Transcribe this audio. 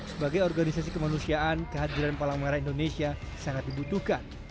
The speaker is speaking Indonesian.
sebagai organisasi kemanusiaan kehadiran palang merah indonesia sangat dibutuhkan